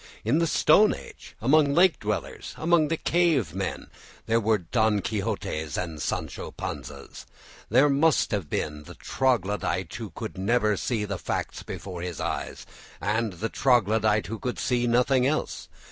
In the stone age, among the lake dwellers, among the cave men, there were Don Quixotes and Sancho Panzas; there must have been the troglodyte who never could see the facts before his eyes, and the troglodyte who could see nothing else.